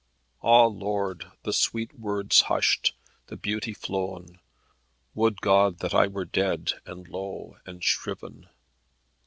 Ah, Lord, the sweet words hushed, the beauty flown; Would God that I were dead, and low, and shriven.